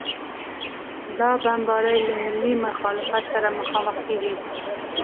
دا بمبارۍ له ملي مخالفت سره مخامخ کېږي.